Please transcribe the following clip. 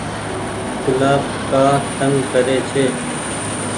گلآب ڪآ تنگ ري ڇي۔